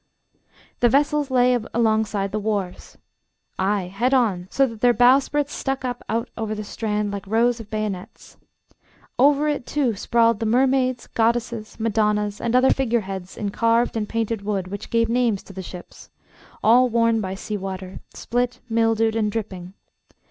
The vessels lay alongside the wharves ay, head on, so that their bowsprits stuck up out over the strand like rows of bayonets. Over it, too, sprawled the mermaids, goddesses, madonnas, and other figure heads in carved and painted wood which gave names to the ships all worn by sea water, split, mildewed, and dripping.